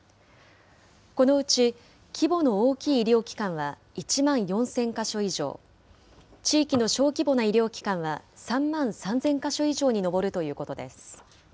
このうち、規模の大きい医療機関は、１万４０００か所以上、地域の小規模な医療機関は３万３０００か所以上に上るということです。